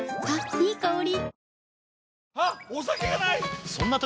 いい香り。